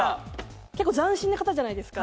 斬新な方じゃないですか。